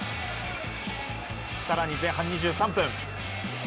更に前半２３分。